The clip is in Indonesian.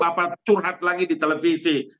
apa curhat lagi di televisi